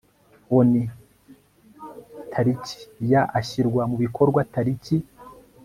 onu tariki ya ashyirwa mu bikorwa tariki